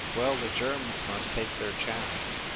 Well, the germs must take their chance.